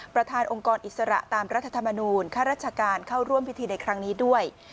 ประธานองค์กรอิสระตามรัฐธรรมนูญข้าราชการเข้าร่วมพิธีในครั้งนี้ด้วย